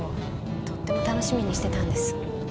とっても楽しみにしてたんです。